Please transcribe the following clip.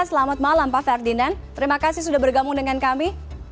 selamat malam pak ferdinand terima kasih sudah bergabung dengan kami